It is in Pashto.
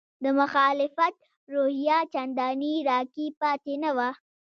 د مخالفت روحیه چندانې راکې پاتې نه وه.